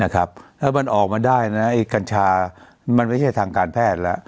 ถ้ามันออกมาได้นะไอ้กัญชามันไม่ใช่ทางการแพทย์แล้ว